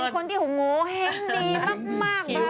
เป็นคนที่หงูแห้งดีมาก